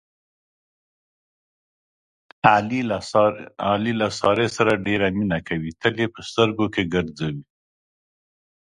علي له سارې سره ډېره مینه کوي، تل یې په سترګو کې ګرځوي.